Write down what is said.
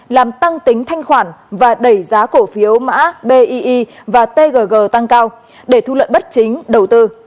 làm tăng tính thanh khoản và đẩy giá cổ phiếu mã bi và tg tăng cao để thu lợi bất chính đầu tư